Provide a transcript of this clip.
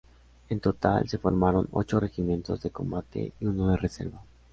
En total, se formaron ocho regimientos de combate y uno de reserva.